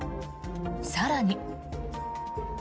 更に。